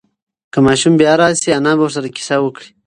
که ماشوم بیا راشي، انا به ورسره قصه وکړي.